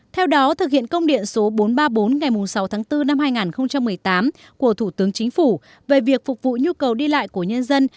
theo đó thực hiện công điện số bốn trăm ba mươi bốn ngày sáu tháng bốn năm hai nghìn một mươi tám của thủ tướng chính phủ về việc phục vụ nhu cầu đi lại của nhân dân